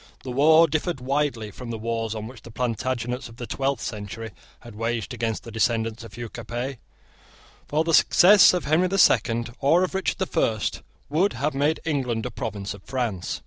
The war differed widely from the wars which the Plantagenets of the twelfth century had waged against the descendants of Hugh Capet. For the success of Henry the Second, or of Richard the First, would have made England a province of France.